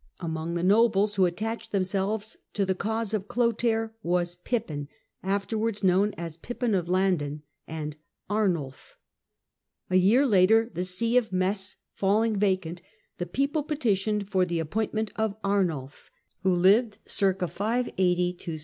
Among the nobles who attached themselves to the cause of Clotair were Pippin, afterwards known as Pippin of Landen, and Arnulf. A year later, the See of Metz falling vacant, the people petitioned for the appointment of Arnulf.